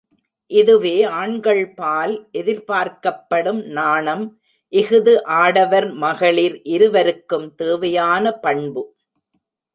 இதுவே ஆண்கள்பால் எதிர்பார்க்கப்படும் நாணம், இஃது ஆடவர் மகளிர் இருவருக்கும் தேவையான பண்பு.